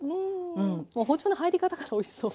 もう包丁の入り方からおいしそう。